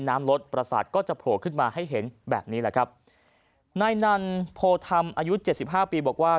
น้ำลดประสาทก็จะโผล่ขึ้นมาให้เห็นแบบนี้แหละครับนายนันโพธรรมอายุเจ็ดสิบห้าปีบอกว่า